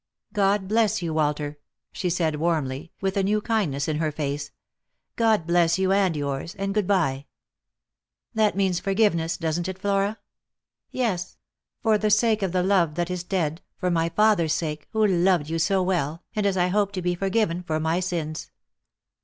God bless you, Walter !" she said warmly, witl a new kindness in her face, " God bless you and yours, and good bye !"" That means forgiveness, doesn't it, Flora ?"" Yes. For the sake of the love that is dead, for my father's sake, who loved you so well, and as I hope to be forgiven for my sins.